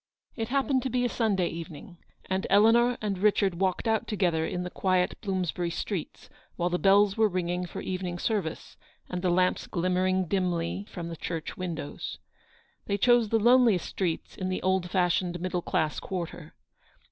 It happened to be a Sunday evening, and Eleanor and Richard walked out together in the VOL. I. Q 226 Eleanor's victory. quiet Bloomsbury streets while the bells were ringing for evening service, and the lamps glim mering dimly from the church windows. They chose the loneliest streets in the old fashioned middle class quarter.